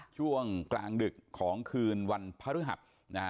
ช่วงกลางดึกของคืนวันพระฤหัส